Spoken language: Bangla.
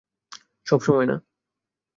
সব সময় না।